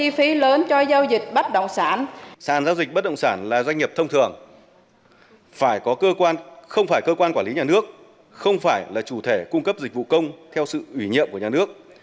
phải có cơ quan không phải cơ quan quản lý nhà nước không phải là chủ thể cung cấp dịch vụ công theo sự ủy nhiệm của nhà nước